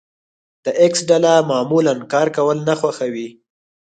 د ايکس ډله معمولا کار کول نه خوښوي.